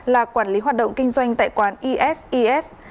là quản lý hoạt động kinh doanh tại quán eses